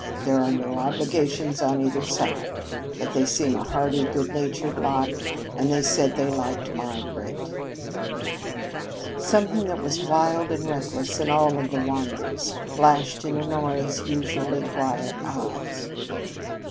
There are no obligations on either side. But they seem a hearty, good natured lot, and they said they liked my grit." Something that was wild and reckless in all of the Wanders flashed in Honora's usually quiet eyes.